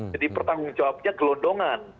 jadi pertanggung jawabnya gelondongan